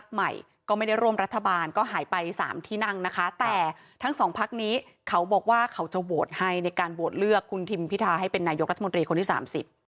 ใหม่ก็ไม่ได้ร่วมรัฐบาลก็หายไปสามที่นั่งนะคะแต่ทั้งสองพักนี้เขาบอกว่าเขาจะโหวตให้ในการโหวตเลือกคุณทิมพิธาให้เป็นนายกรัฐมนตรีคนที่สามสิบ